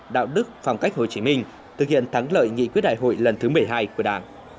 đạo đức phong cách hồ chí minh thực hiện thắng lợi nghị quyết đại hội lần thứ một mươi hai của đảng